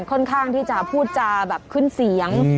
ค่อนข้างที่จะพูดจาแบบขึ้นเสียง